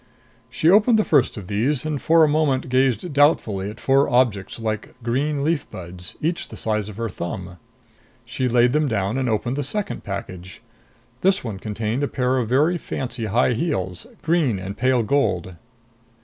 She opened the first of these and for a moment gazed doubtfully at four objects like green leaf buds, each the size of her thumb. She laid them down and opened the second package. This one contained a pair of very fancy high heels, green and pale gold.